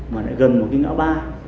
mà lại gần một cái ngã ba